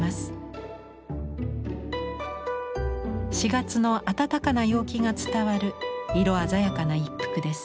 ４月の暖かな陽気が伝わる色鮮やかな一幅です。